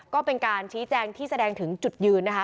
ก็เป็นการชี้แจงที่แสดงถึงจุดยืนนะคะ